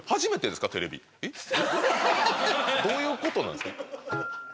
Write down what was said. どういうことなんですか？